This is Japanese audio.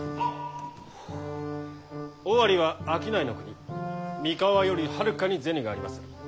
尾張は商いの国三河よりはるかに銭がありまする。